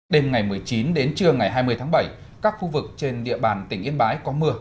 đêm ngày một mươi chín đến trưa ngày hai mươi tháng bảy các khu vực trên địa bàn tỉnh yên bái có mưa